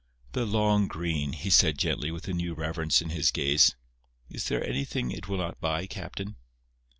"The long green!" he said, gently, with a new reverence in his gaze. "Is there anything it will not buy, Captain?"